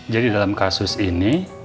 jadi dalam kasus ini